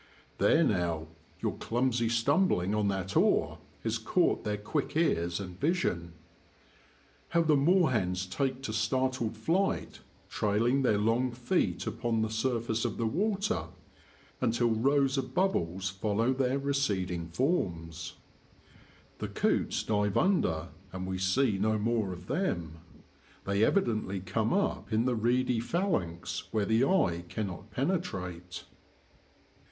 There now ! your clumsy stumbling on that oar has caught their quick ears and vision. How the moorhens take to startled flight, trailing their long feet upon the surface of the water until rows of bubbles follow their receding forms ! The coots dive under and we see no more of them. They evi dently come up in the reedy phalanx where the eye cannot penetrate.